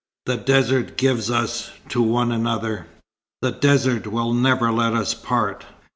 The desert gives us to one another. The desert will never let us part."